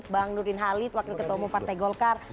bang nurin halid wakil ketua partai golkar